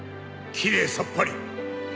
きれいさっぱり。